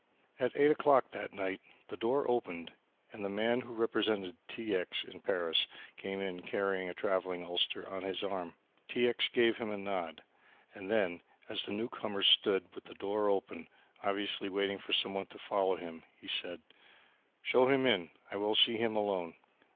At eight o'clock that night the door opened and the man who represented T. X. in Paris came in carrying a travelling ulster on his arm. T. X. gave him a nod and then, as the newcomer stood with the door open, obviously waiting for somebody to follow him, he said, "Show him in I will see him alone."